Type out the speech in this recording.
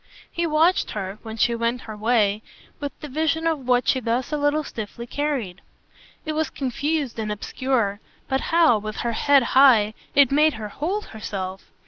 He watched her, when she went her way, with the vision of what she thus a little stiffly carried. It was confused and obscure, but how, with her head high, it made her hold herself!